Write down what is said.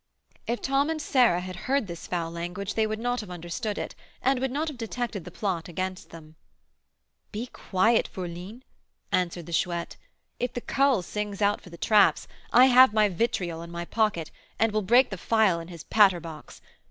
If Tom and Sarah had heard this foul language, they would not have understood it, and would not have detected the plot against them. "Be quiet, fourline," answered the Chouette; "if the 'cull' sings out for the 'traps,' I have my vitriol in my pocket, and will break the phial in his 'patter box.'